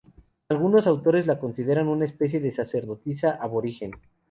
Algunos autores la consideran una especie de sacerdotisa aborigen.